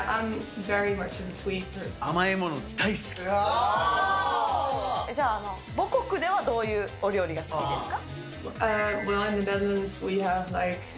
甘いもの、じゃあ、母国ではどういうお料理が好きですか？